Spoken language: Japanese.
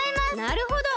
なるほど！